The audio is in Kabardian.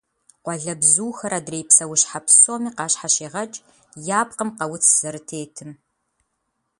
Къуалэбзухэр адрей псэущхьэ псоми къащхьэщегъэкӏ я пкъым къэуц зэрытетым.